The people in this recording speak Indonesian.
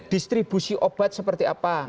distribusi obat seperti apa